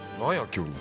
急に。